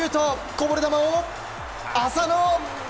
こぼれ球を浅野！